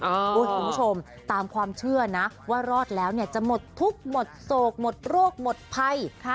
คุณผู้ชมตามความเชื่อนะว่ารอดแล้วเนี่ยจะหมดทุกข์หมดโศกหมดโรคหมดภัย